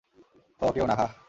ওহ, কেউ না, হাহ?